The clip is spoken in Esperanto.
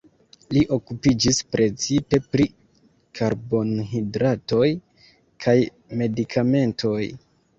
Li okupiĝis precipe pri karbonhidratoj kaj medikamentoj.